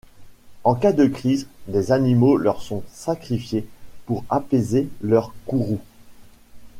En cas de crise, des animaux leur sont sacrifiés pour apaiser leur courroux.